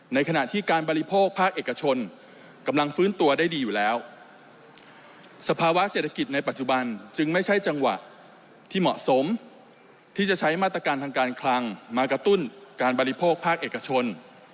ในขณะที่การบริโภคภาคเอกชนกำลังฟื้นตัวได้ดีอยู่แล้วสภาวะเศรษฐกิจในปัจจุบันจึงไม่ใช่จังหวะที่เหมาะสมที่จะใช้มาตรการทางการคลังมากระตุ้นการบริโภคภาคเอกชน